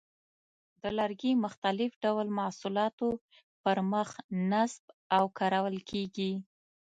د لرګي مختلف ډول محصولاتو پر مخ نصب او کارول کېږي.